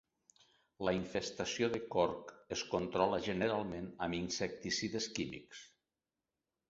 La infestació de corc es controla generalment amb insecticides químics.